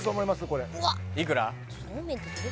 これいくら？